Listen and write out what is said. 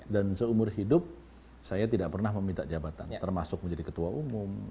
dan seumur hidup saya tidak pernah meminta jabatan termasuk menjadi ketua umum